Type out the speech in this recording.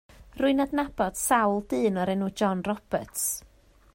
Rwy'n adnabod sawl dyn o'r enw John Roberts.